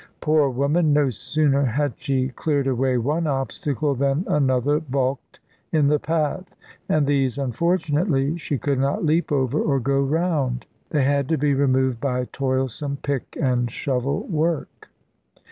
Poor woman! No sooner had she cleared away one obstacle than another bulked in the path. And these, unfortunately, she could not leap over or go round. They had to be removed by toilsome pick and shovel work.